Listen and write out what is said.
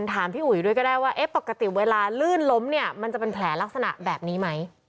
ถามพี่อุ๋ยด้วยก็ได้ว่าเอ๊ะปกติเวลาลื่นล้มเนี่ยมันจะเป็นแผลลักษณะแบบนี้ไหม